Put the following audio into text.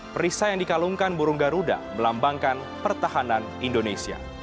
perisai yang dikalungkan burung garuda melambangkan pertahanan indonesia